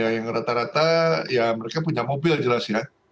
yang rata rata ya mereka punya mobil jelas ya